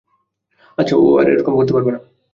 আচ্ছা, ও আর এরকম করতে পারবে না।